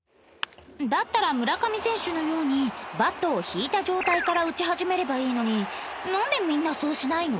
だったら村上選手のようにバットを引いた状態から打ち始めればいいのになんでみんなそうしないの？